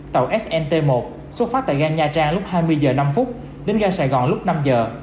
tàu snt một xuất phát tại gai nha trang lúc hai mươi h năm đến gai sài gòn lúc năm h